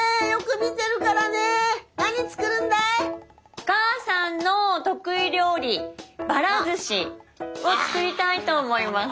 おかあさんの得意料理ばらずしを作りたいと思います。